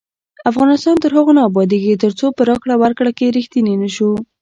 افغانستان تر هغو نه ابادیږي، ترڅو په راکړه ورکړه کې ریښتیني نشو.